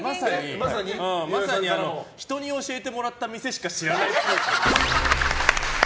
まさに人に教えてもらった店しか知らないっぽい。